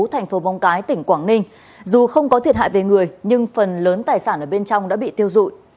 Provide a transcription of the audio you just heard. thành phố vong cái tỉnh quảng ninh dù không có thiệt hại về người nhưng phần lớn tài sản ở bên trong đã bị tiêu dụi